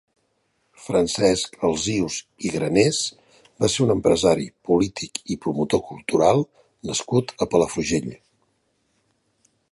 Francesc Alsius i Granés va ser un empresari, polític i promotor cultural nascut a Palafrugell.